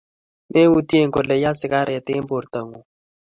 meutye kole yaa sigaret eng porto ngung